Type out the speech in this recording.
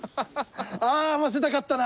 ああ合わせたかったな。